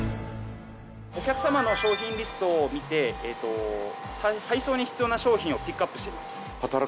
お客様の商品リストを見て配送に必要な商品をピックアップしています。